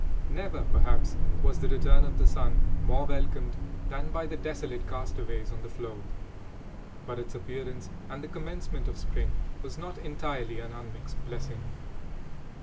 Never, perhaps, was the return of the sun more welcomed than by the desolate castaways on the floe. But its appearance and the commencement of spring was not entirely an unmixed blessing.